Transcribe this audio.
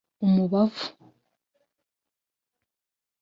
umubavu